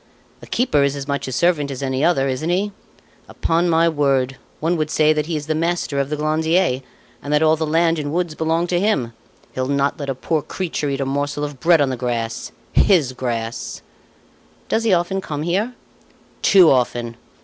A keeper is as much a servant as any other, isn't he? Upon my word, one would say that he is the master of the Glandier, and that all the land and woods belong to him. He'll not let a poor creature eat a morsel of bread on the grass his grass!" "Does he often come here?" "Too often.